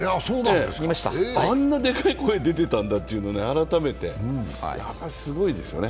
あんなでかい声出てたんだっていうのは改めてすごいですよね。